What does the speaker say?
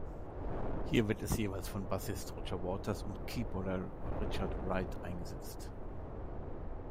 Hier wird es jeweils von Bassist Roger Waters und Keyboarder Richard Wright eingesetzt.